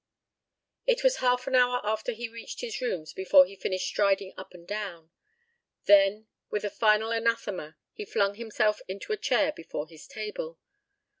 It was half an hour after he reached his rooms before he finished striding up and down; then, with a final anathema, he flung himself into a chair before his table.